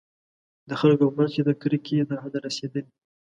د خلکو په منځ کې د کرکې تر حده رسېدلي.